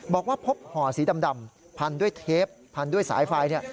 บอกว่าพบห่อสีดำพันด้วยเทปพันด้วยสายไฟ